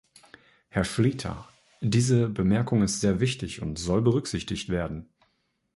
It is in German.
Herr Schlyter, diese Bemerkung ist sehr wichtig und soll berücksichtigt werden.